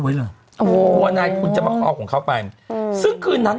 เอาคนมานอนเฝ้าไว้เลย